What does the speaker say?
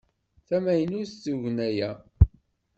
D tamaynut tugna-a?